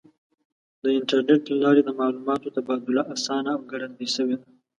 د انټرنیټ له لارې د معلوماتو تبادله آسانه او ګړندۍ شوې ده.